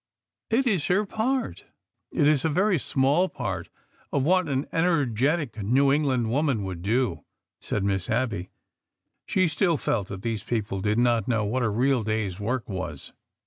It is her part." 'Mt is a very small part of what an energetic New Eng land woman would do," said Miss Abby. She still felt that these people did not know what a real day's work was.